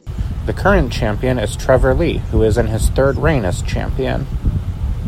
The current champion is Trevor Lee who is in his third reign as champion.